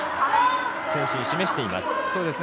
選手に示しています。